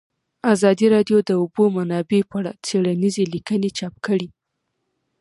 ازادي راډیو د د اوبو منابع په اړه څېړنیزې لیکنې چاپ کړي.